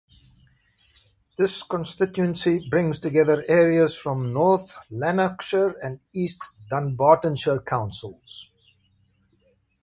This constituency brings together areas from North Lanarkshire and East Dunbartonshire councils.